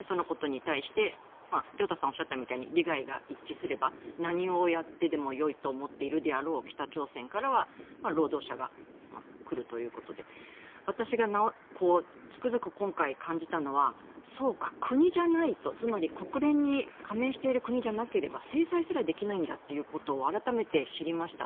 そのことに対して亮太さんがおっしゃったみたいに利害が一致すれば何をやってもよいと思っているであろう北朝鮮からは労働者が来るということで私がつくづく今回感じたのはそうか、国じゃないとつまり国連に加盟している国じゃなければ制裁すらできないんだっていうことを改めて知りました。